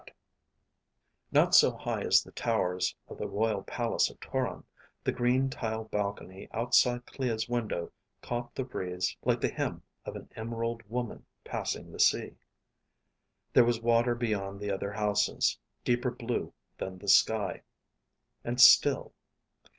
He got. Not so high as the towers of the Royal Palace of Toron, the green tile balcony outside Clea's window caught the breeze like the hem of an emerald woman passing the sea. There was water beyond the other houses, deeper blue than the sky, and still.